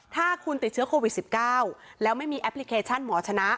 ถ้าคุณติดเชื้อโควิด๑๙แล้วไม่มีแอปพลิเคชันหมอชนะ